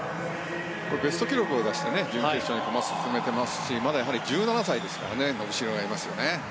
ベスト記録を出して準決勝に駒を進めていますしやはり、まだ１７歳ですから伸びしろがありますよね。